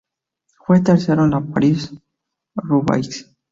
Fue tercero en la París-Roubaix.